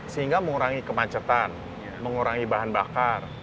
sehingga mengurangi kemacetan mengurangi bahan bakar